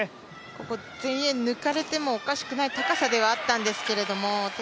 ここ前衛抜かれてもおかしくない高さではあったんですけど鄭